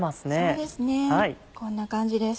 そうですねこんな感じです。